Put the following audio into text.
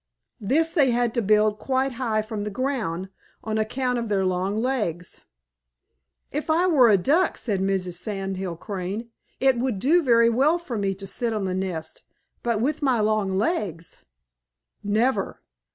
This they had to build quite high from the ground, on account of their long legs. "If I were a Duck," said Mrs. Sand Hill Crane, "it would do very well for me to sit on the nest, but with my legs? Never!